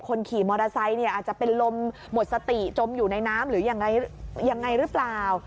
คนขี่มอเตอร์ไซค์เนี่ยอาจจะเป็นลมหมดสติจมอยู่ในน้ำหรือยังไงหรือเปล่า